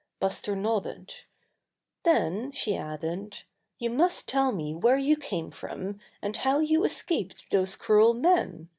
Buster nodded. "Then," she added, "you must tell me where you came from, and how you escaped those cruel men.